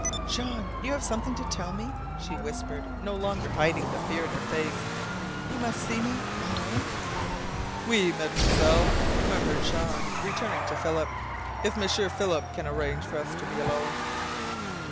"Jean you have something to tell me?" she whispered, no longer hiding the fear in her face. "You must see me alone?" "Oui, M'selle," murmured Jean, turning to Philip. "If M'sieur Philip can arrange for us to be alone."